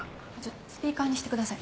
スピーカーにしてください。